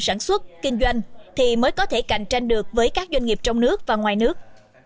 sản xuất kinh doanh thì mới có thể cạnh tranh được với các doanh nghiệp trong nước và ngoài nước